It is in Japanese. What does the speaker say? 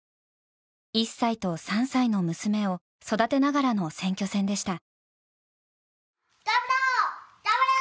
１歳と３歳の娘を育てながらの選挙戦でした。